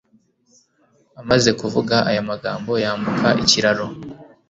Amaze kuvuga aya magambo yambuka ikiraro